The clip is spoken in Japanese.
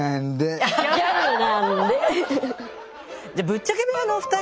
じゃぶっちゃけ部屋のお二人